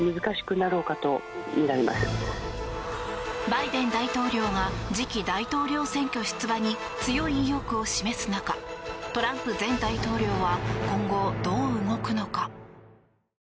バイデン大統領が次期大統領選挙出馬に強い意欲を示す中トランプ前大統領は今後、どう動くのか。